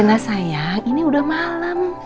rena sayang ini udah malem